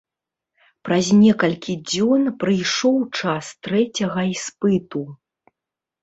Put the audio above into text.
Праз некалькі дзён прыйшоў час трэцяга іспыту.